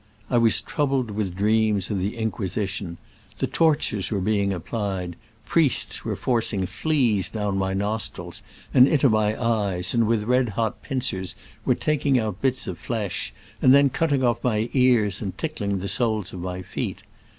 I was troubled with dreams of the Inquisition : the tor tures were being applied, priests were forcing fleas down my nostrils and into my eyes, and with red hot pincers were taking out bits of flesh, and then cutting off my ears and tickling the soles of my feet.